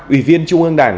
ủy viên trung ương đảng